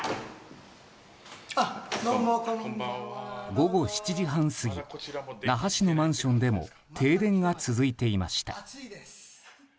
午後７時半過ぎ那覇市のマンションでも停電が続いていました。